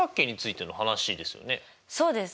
そうです。